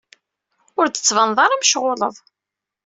Ur d-tettbaneḍ ara mecɣuleḍ.